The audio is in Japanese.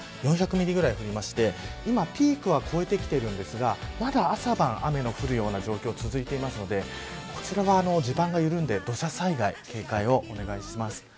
４００ミリぐらい降って今、ピークは越えていますがまだ朝晩雨の降るような状況続いているのでこちらは地盤が緩んで土砂災害、警戒をお願いします。